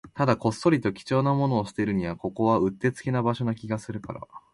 ただ、こっそりと貴重なものを捨てるには、ここはうってつけな場所な気がするから